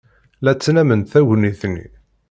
La ttnament tagnit-nni.